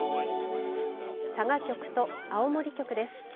佐賀局と青森局です。